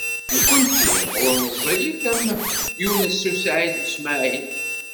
Nekkenti ur meẓẓiyit am Yunes u Saɛid u Smaɛil.